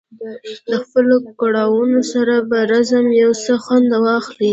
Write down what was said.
د خپلو کړاوونو سره په رزم یو څه خوند واخلي.